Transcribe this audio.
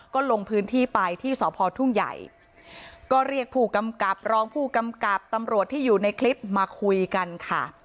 ก็ลงพื้นที่ไปที่สพทุ่งใหญ่ก็เรียกผู้กำกับรองผู้กำกับตำรวจที่อยู่ในคลิปมาคุยกันค่ะ